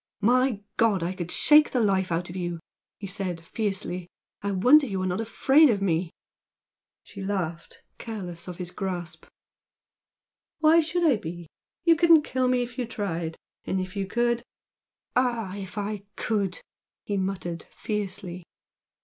"My God, I could shake the life out of you!" he said, fiercely "I wonder you are not afraid of me!" She laughed, careless of his grasp. "Why should I be? You couldn't kill me if you tried and if you could " "If I could ah, if I could!" he muttered, fiercely.